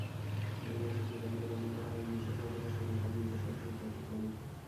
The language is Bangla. অভিনয়শিল্পী তালিকার অন্যরা হলেন মিশা সওদাগর, শিমুল খান, ডিজে সোহেল, সুব্রত প্রমুখ।